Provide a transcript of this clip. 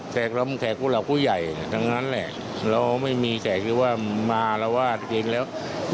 แสกล้อมแสกกุล่าวผู้ใหญ่ทั้งนั้นแหละเราไม่มีแสกหรือว่ามาเราวาดเกรงแล้ว